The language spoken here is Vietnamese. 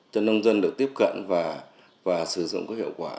cho nông dân được tiếp cận và sử dụng có hiệu quả